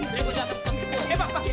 sekarang udah gini enak aja